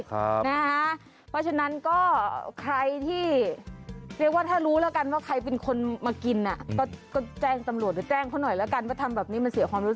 เพราะฉะนั้นก็ใครที่เรียกว่าถ้ารู้แล้วกันว่าใครเป็นคนมากินก็แจ้งตำรวจหรือแจ้งเขาหน่อยแล้วกันว่าทำแบบนี้มันเสียความรู้สึก